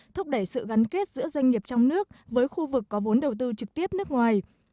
thúc đẩy sự gắn kết giữa doanh nghiệp trong nước với khu vực có vốn đầu tư trực tiếp nước ngoài